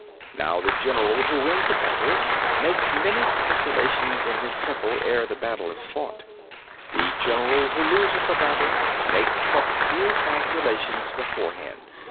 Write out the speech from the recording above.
26. Now the general who wins a battle makes many calculations in his temple ere the battle is fought. The general who loses a battle makes but few calculations beforehand.